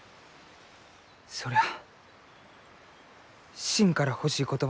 そりゃあしんから欲しい言葉じゃ。